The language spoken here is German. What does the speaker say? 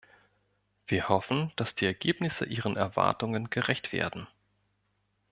Wir hoffen, dass die Ergebnisse ihren Erwartungen gerecht werden.